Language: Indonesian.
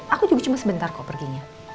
aku juga cuma sebentar kok perginya